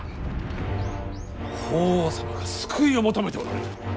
法皇様が救いを求めておられる。